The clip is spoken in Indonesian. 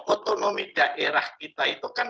otonomi daerah kita itu kan